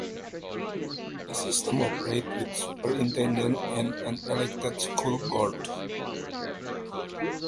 The system operates with a superintendent and an elected school board.